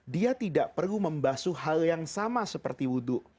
dia tidak perlu membasu hal yang sama seperti wudhu